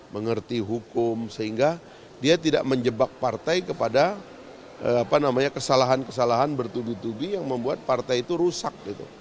mengerti hukum sehingga dia tidak menjebak partai kepada kesalahan kesalahan bertubi tubi yang membuat partai itu rusak